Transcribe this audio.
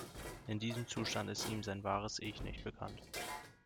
In diesem Zustand ist ihm sein wahres Ich nicht bekannt.